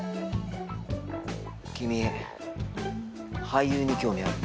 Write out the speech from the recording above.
君俳優に興味ある？